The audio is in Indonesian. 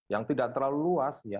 yang tidak terlalu luas